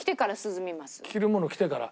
着るもの着てから？